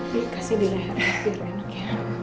bu kasih di leher biar enak ya